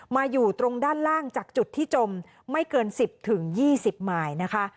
อยู่ตรงด้านล่างจากจุดที่จมไม่เกิน๑๐๒๐หมายนะคะ